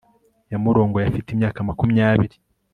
Yamurongoye afite imyaka makumyabiri